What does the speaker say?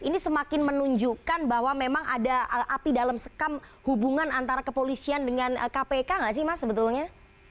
ini semakin menunjukkan bahwa memang ada api dalam sekam hubungan antara kepolisian dengan kpk nggak sih mas sebetulnya